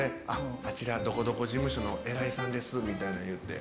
「あちらどこどこ事務所の偉いさんです」みたいなん言って。